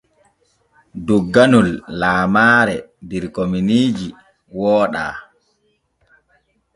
Dogganol lamaare der kominiiji wooɗa.